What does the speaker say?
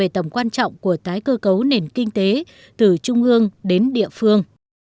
tầm quan trọng của tái cơ cấu nền kinh tế từ trung ương đến địa phương